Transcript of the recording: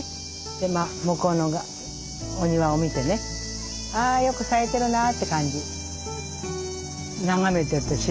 で向こうのお庭を見てねあよく咲いてるなって感じ。